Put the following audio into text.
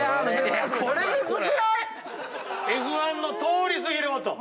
Ｆ１の通り過ぎる音。